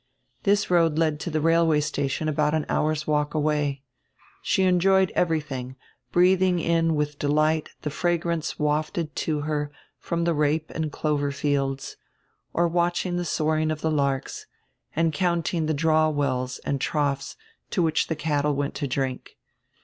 This road led to the railway station about an hour's walk away. She enjoyed everything, breathing in with delight the fragrance wafted to her from the rape and clover fields, or watching die soaring of die larks, and counting die draw wells and troughs, to which die cattle went to drink.